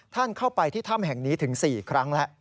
ท่านเข้าไปที่ถ้ำแห่งนี้ถึง๔ครั้งแล้ว